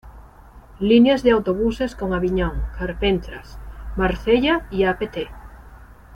Líneas de autobuses con Aviñón, Carpentras, Marsella y Apt.